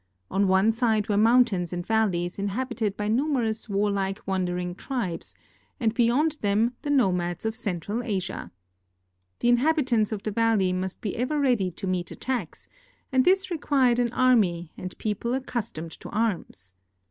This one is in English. On one side were mountains and valleys inhabited by numerous warlike wandering tribes, and beyond them the Nomads of Central Asia. The inhabitants of the valley must be ever ready to meet attacks, and this required an army and people accustomed to arms.